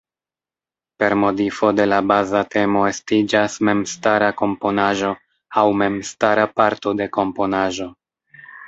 Per modifo de la baza temo estiĝas memstara komponaĵo aŭ memstara parto de komponaĵo.